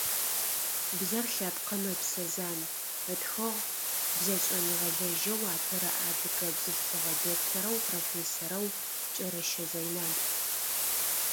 «Бзэр лъэпкъым ыпсэ зан»,- ытхыгъ бзэшӏэныгъэлэжьэу апэрэ адыгэ бзылъфыгъэ докторэу профессорэу Кӏэрэщэ Зэйнаб.